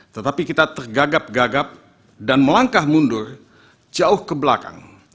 tetapi kita tergagap gagap dan melangkah mundur jauh ke belakang